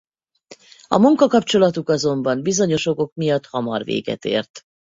A munkakapcsolatuk azonban bizonyos okok miatt hamar véget ért.